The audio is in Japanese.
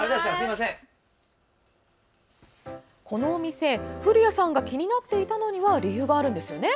このお店古谷さんが気になっていたのには理由があるんですよね？